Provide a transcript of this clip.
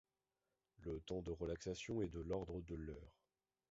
Le temps de relaxation est de l'ordre de l'heure.